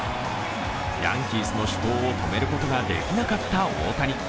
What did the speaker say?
ヤンキースの主砲を止めることができなかった大谷。